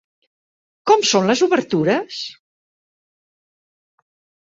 Com són les obertures?